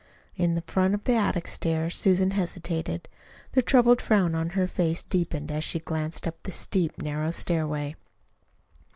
At the front of the attic stairs Susan hesitated. The troubled frown on her face deepened as she glanced up the steep, narrow stairway.